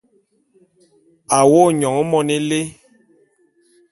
A wo’o nyon mone élé.